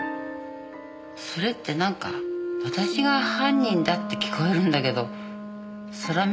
それってなんか私が犯人だって聞こえるんだけど空耳？